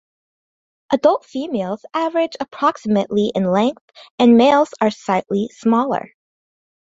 Adult females average approximately in length, and males are slightly smaller.